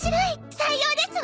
採用ですわ！